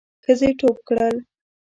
ښځې ټوپ کړل.